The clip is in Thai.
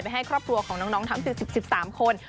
ไปให้ครอบครัวของน้องทำสิบคน